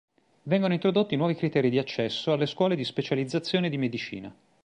Vengono introdotti nuovi criteri di accesso alle scuole di specializzazione di medicina.